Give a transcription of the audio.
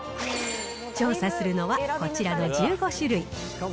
調査するのは、こちらの１５種類。